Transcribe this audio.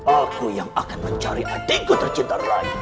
aku yang akan mencari adikku tercinta rai